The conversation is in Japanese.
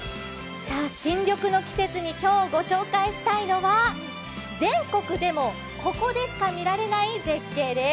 新緑の季節に今日、ご紹介したいのは全国でもここでしか見られない絶景です。